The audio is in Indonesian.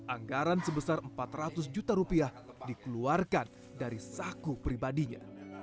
anggaran sebesar empat ratus juta rupiah dikeluarkan dari saku pribadinya